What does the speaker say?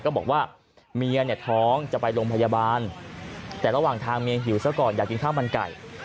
ก็บอกว่าเมียเนี่ยท้องจะไปโรงพยาบาลแต่ระหว่างทางเมียหิวซะก่อนอยากกินข้าวมันไก่